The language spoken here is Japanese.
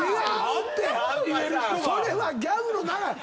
それはギャグの流れ！